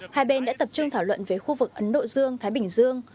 hai bên đã tập trung thảo luận về khu vực ấn độ dương thái bình dương